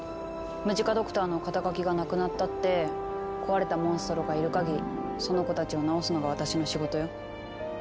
ムジカ・ドクターの肩書がなくなったって壊れたモンストロがいるかぎりその子たちをなおすのが私の仕事よ。